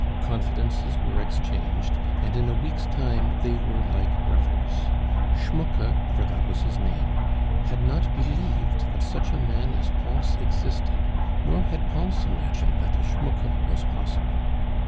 Confidences were exchanged, and in a week's time they were like brothers. Schmucke (for that was his name) had not believed that such a man as Pons existed, nor had Pons imagined that a Schmucke was possible.